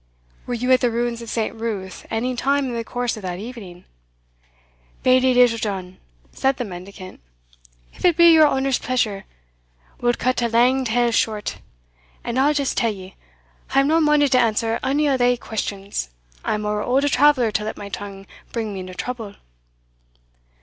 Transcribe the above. "Were you at the ruins of St. Ruth any time in the course of that evening?" "Bailie Littlejohn," said the mendicant, "if it be your honour's pleasure, we'll cut a lang tale short, and I'll just tell ye, I am no minded to answer ony o' thae questions I'm ower auld a traveller to let my tongue bring me into trouble."